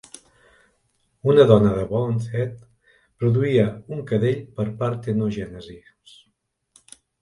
Una dona de bonnethead produïa un cadell per parthenogenesis.